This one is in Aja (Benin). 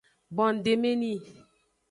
Bondemeni.